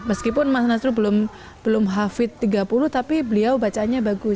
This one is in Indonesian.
meskipun mas nasru belum hafid tiga puluh tapi beliau bacaannya bagus